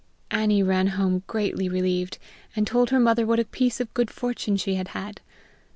Annie ran home greatly relieved, and told her mother what a piece of good fortune she had had.